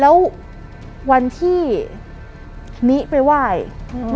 แล้ววันที่นี้ไปว่ายอืม